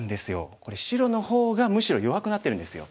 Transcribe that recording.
これ白の方がむしろ弱くなってるんですよ。